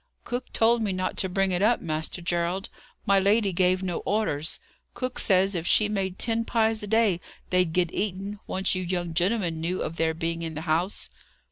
"Cook told me not to bring it up, Master Gerald. My lady gave no orders. Cook says if she made ten pies a day they'd get eaten, once you young gentlemen knew of their being in the house."